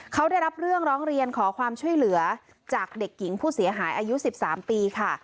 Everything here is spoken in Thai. เขาได้รับเรื่องร้องเรียนขอความช่วยเหลือจากเด็กหญิงผู้เสียหายอายุ๑๓ปีค่ะ